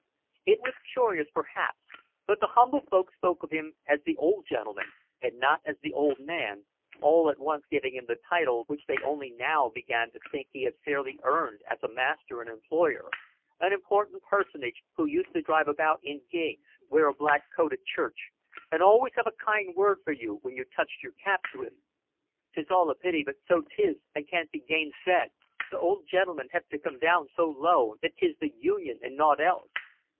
It was curious, perhaps, but the humble folk spoke of him as the old gentleman, and not as the old man, all at once giving him the title which they only now began to think he had fairly earned as a master and employer, an important personage who used to drive about in gigs, wear a black coat at church, and always have a kind word for you when you touched your cap to him. "'Tis all a pity but so 'tis, and can't be gainsaid. Th' old gentleman hev come down so low, that 'tis the Union and nought else."